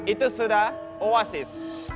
itu sudah oasis